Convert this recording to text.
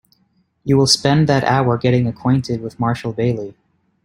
You will spend that hour getting acquainted with Marshall Bailey.